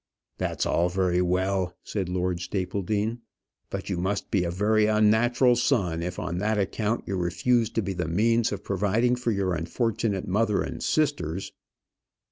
"That's all very well," said Lord Stapledean; "but you must be a very unnatural son if on that account you refuse to be the means of providing for your unfortunate mother and sisters."